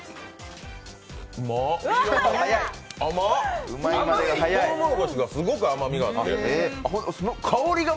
うまっあまっ、とうもろこしがすごく甘みがあって。